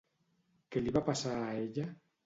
Què li va passar a ella?